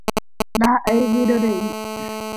Ndaha'éi vyrorei.